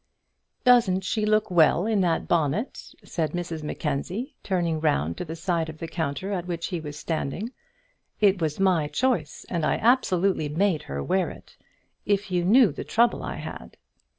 "Doesn't she look well in that bonnet?" said Mrs Mackenzie, turning round to the side of the counter at which he was standing. "It was my choice, and I absolutely made her wear it. If you knew the trouble I had!"